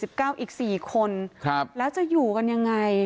อีก๔คนแล้วจะอยู่กันยังไง